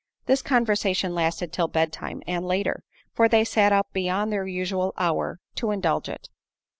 This conversation lasted till bed time, and later; for they sat up beyond their usual hour to indulge it.